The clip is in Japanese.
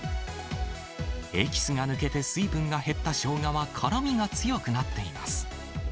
エキスが抜けて、水分が減ったショウガは辛みが強くなっています。